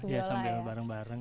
iya sambil bareng bareng